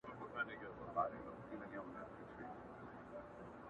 سورد- شپېلۍ- شراب- خراب عادت خاورې ايرې کړم-